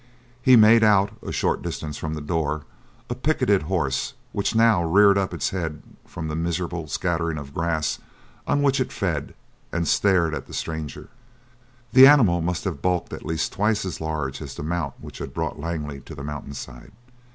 He made out, a short distance from the door, a picketed horse which now reared up its head from the miserable scattering of grass on which it fed and stared at the stranger. The animal must have bulked at least twice as large as the mount which had brought Langley to the mountain side.